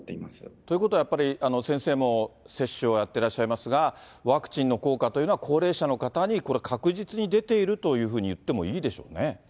ということはやっぱり、先生も接種をやってらっしゃいますが、ワクチンの効果というのは高齢者の方に、これは確実に出ているというふうに言ってもいいでしょうね。